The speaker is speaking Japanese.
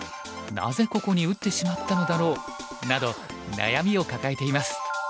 「なぜここに打ってしまったのだろう」など悩みを抱えています。